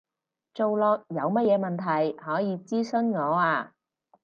做落有乜嘢問題，可以諮詢我啊